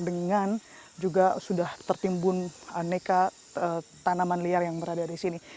dan juga sudah tertimbun aneka tanaman liar yang berada di sini